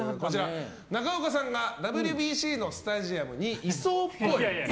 中岡さんがＷＢＣのスタジアムにいそうっぽい。